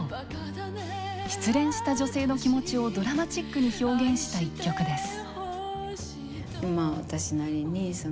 失恋した女性の気持ちをドラマチックに表現した一曲です。